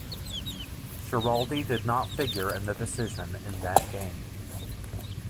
Schiraldi did not figure in the decision in that game.